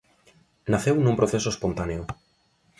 Naceu nun proceso espontáneo.